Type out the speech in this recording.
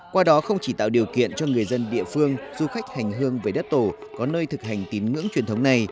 qua đó không chỉ tạo điều kiện cho người dân địa phương du khách hành hương về đất tổ có nơi thực hành tín ngưỡng truyền thống này